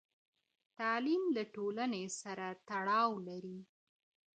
تعليم له ټولني سره تړاو لري.